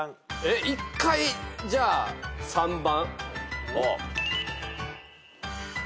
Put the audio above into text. １回じゃあ３番。